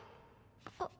あっ。